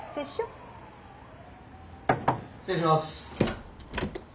失礼します。